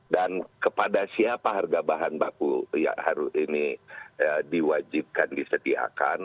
dan kepada siapa harga bahan baku ini diwajibkan disediakan